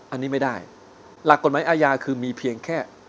อันนี้ไม่ได้หลักกฎหมายอาญาคือมีเพียงแค่